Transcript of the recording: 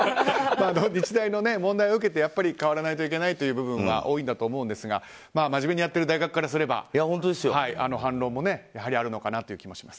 日大の問題を受けてやっぱり変わらないといけないという部分は多いんだと思うんですが真面目にやってる大学からすれば反論もやはりあるのかなという気もします。